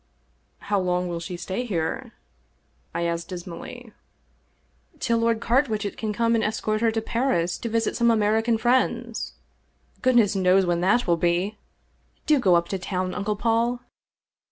" How long will she stay here ?" I asked dismally. 273 English Mystery Stories " Till Lord Carwitchet can come and escort her to Paris to visit some American friends. Goodness knows when that will be ! Do go up to town. Uncle Paul